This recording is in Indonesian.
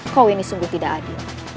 kau ini sungguh tidak adil